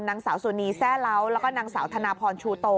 นางสาวสุนีแซ่เล้าแล้วก็นางสาวธนาพรชูโต